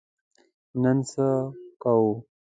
نن څه کوو؟